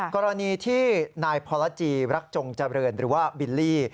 กรณีที่นายพรจีรักจงเจริญหรือว่าบิลลี่